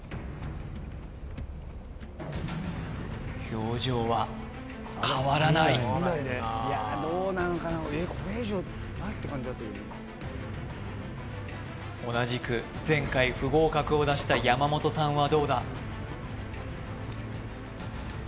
表情は変わらない同じく前回不合格を出した山本さんはどうだ？